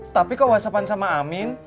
tapi kok whatsappnya ketinggalan